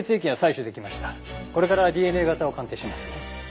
これからＤＮＡ型を鑑定します。